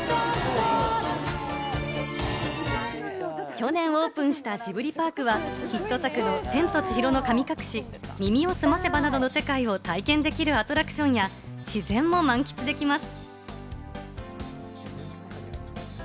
去年オープンしたジブリパークは、ヒット作の『千と千尋の神隠し』、『耳をすませば』などの世界を体験できるアトラクションや自然も満喫できます。